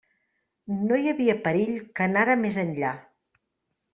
No hi havia perill que anara més enllà.